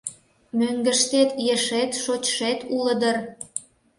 — Мӧҥгыштет ешет, шочшет уло дыр?